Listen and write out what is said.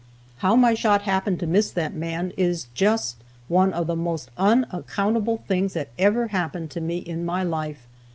How my shot happened to miss that man is just one of the most unaccountable things that ever happened to me in my life.